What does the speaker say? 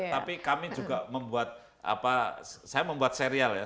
tapi kami juga membuat apa saya membuat serial ya